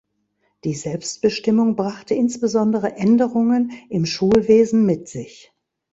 Die Selbstbestimmung brachte insbesondere Änderungen im Schulwesen mit sich.